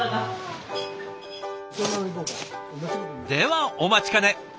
ではお待ちかね。